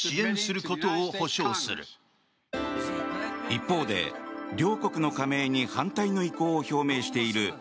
一方で、両国の加盟に反対の意向を表明しているＮＡＴＯ